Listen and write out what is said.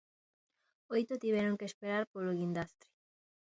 Oito tiveron que esperar polo guindastre.